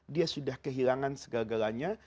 dia sudah kehilangan segagalanya